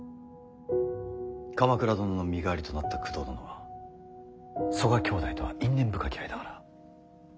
鎌倉殿の身代わりとなった工藤殿は曽我兄弟とは因縁深き間柄。